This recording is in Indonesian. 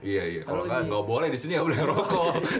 iya iya kalau kan gak boleh disini gak boleh ngerokok